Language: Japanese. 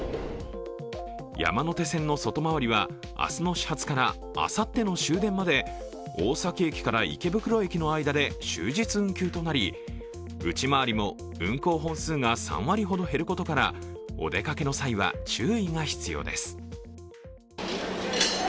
山手線の外回りは明日の始発からあさっての終電まで大崎駅から池袋駅の間で終日運休となり内回りも運行本数が３割ほど減ることからお出かけの際は注意が必要です。